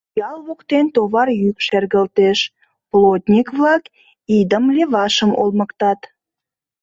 Ял воктен товар йӱк шергылтеш, плотник-влак идым левашым олмыктат.